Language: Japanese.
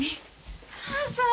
母さん。